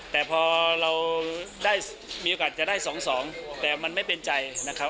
แต่พอเราได้มีโอกาสจะได้๒๒แต่มันไม่เป็นใจนะครับ